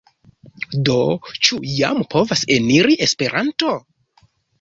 Do, ĉu jam povas eniri Esperanto?